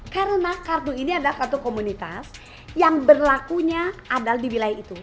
karena kartu ini adalah kartu komunitas yang berlakunya adalah di wilayah itu